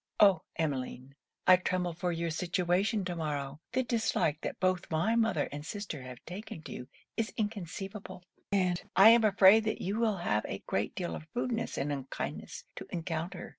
Oh, Emmeline! I tremble for your situation to morrow. The dislike that both my mother and sister have taken to you, is inconceivable; and I am afraid that you will have a great deal of rudeness and unkindness to encounter.